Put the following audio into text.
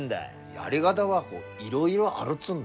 やり方はいろいろあるっつうんだ。